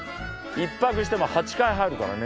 １泊しても８回入るからね。